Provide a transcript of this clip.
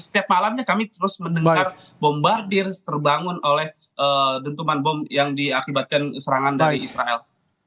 setiap malamnya kami terus mendengar bombardir terbangun oleh dentuman bom yang diakibatkan serangan dari israel